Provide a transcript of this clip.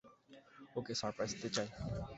ওকে surprise দিতে চাই।